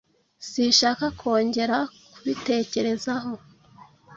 Sinshaka kongera kubitekerezaho.